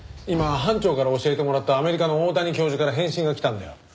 今班長から教えてもらったアメリカの大谷教授から返信が来たんだよ。